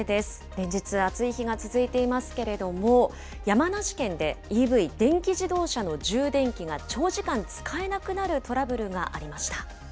連日暑い日が続いていますけれども、山梨県でＥＶ・電気自動車の充電器が長時間使えなくなるトラブル